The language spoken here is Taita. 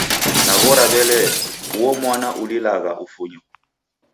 Naghora w'elee, uo mwana ulilagha ufunyo.